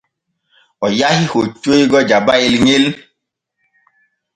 O yahi hoccoygo Jabayel ŋel.